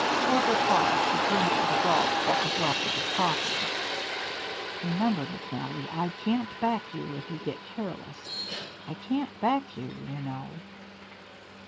Porter paused to drink at a gulp what was left of his coffee. "Remember, McNally, I can't back you if you get careless I can't back you, you know."